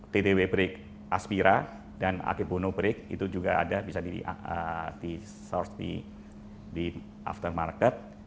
tdw break aspira dan akebono break itu juga ada bisa di source di after market